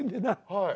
はい。